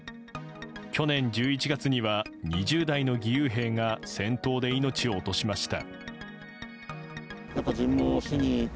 去年１１月には２０代の義勇兵が戦闘で命を落としました。